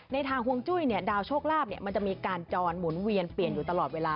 ทางห่วงจุ้ยดาวโชคลาภมันจะมีการจรหมุนเวียนเปลี่ยนอยู่ตลอดเวลา